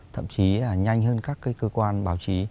thậm chí là nhanh hơn các cơ quan báo chí